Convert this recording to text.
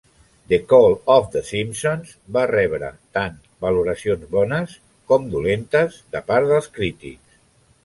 "The Call of the Simpsons" va rebre tant valoracions bones com dolentes de part dels crítics.